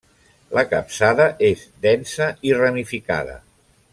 La capçada és densa i ramificada.